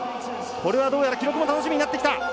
これは、どうやら記録も楽しみになってきた。